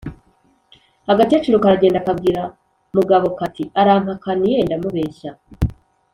agakecuru karagenda kabwira mugabo kati arampakaniye ndamubeshya”